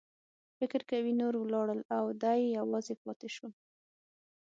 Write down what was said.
فکر کوي نور ولاړل او دی یوازې پاتې شو.